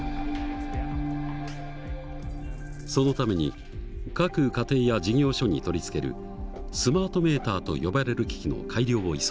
そのために各家庭や事業所に取り付けるスマートメーターと呼ばれる機器の改良を急いでいる。